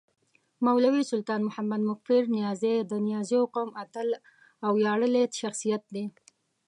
مولوي سلطان محمد مفکر نیازی د نیازيو قوم اتل او وياړلی شخصیت دی